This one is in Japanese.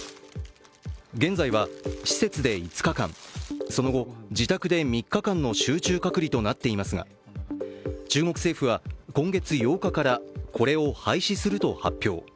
現在は施設で５日間、その後自宅で３日間の集中隔離となっていますが中国政府は今月８日からこれを廃止すると発表。